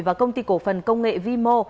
và công ty cổ phần công nghệ vimo